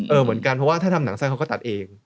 เหมือนกันเพราะว่าถ้าทำหนังไส้เขาก็ตัดเอง